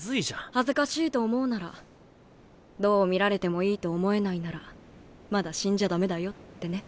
「恥ずかしいと思うならどう見られてもいいと思えないならまだ死んじゃダメだよ」ってね。